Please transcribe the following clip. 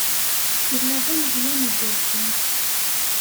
Yella d amẓawan igerrzen.